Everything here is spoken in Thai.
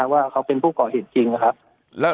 ว่าเขาเป็นผู้ก่อเหตุจริงนะครับ